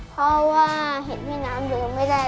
พ่อว่าเห็นพี่น้ำอยู่ไม่ได้